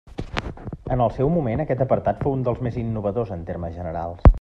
En el seu moment aquest apartat fou un dels més innovadors en termes generals.